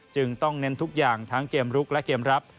จึงต้องเน้นทุกอย่างทั้งเกมลุกและเกมรับ